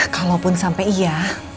kalaupun sampai iya